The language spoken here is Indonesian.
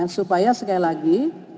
supaya sekali lagi